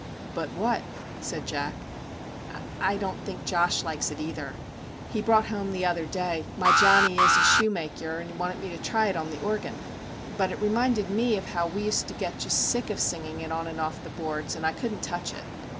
' But what ?' said Jack. ' I don't think that Josh likes it either. He brought home the other day " My Johnny is a 24 MR. JACK HAMLIN'S MEDIATION Shoemakiyure," and wanted me to try it on the organ. But it reminded me how we used to get just sick of singing it on and off the boards, and I couldn't touch it.